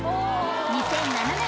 ２００７年